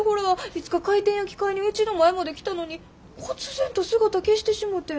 いつか回転焼き買いにうちの前まで来たのにこつ然と姿消してしもて。